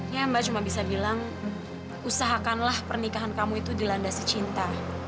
ya mbak cuma bisa bilang usahakanlah pernikahan kamu itu dilandasi cinta